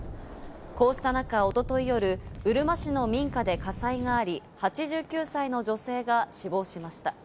こうした中、おととい夜、うるま市の民家で火災があり、８９歳の女性が死亡しました。